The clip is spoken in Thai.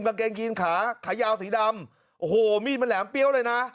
กางเกงยีนขาขายาวสีดำโอ้โหมีดมันแหลมเปรี้ยวเลยนะ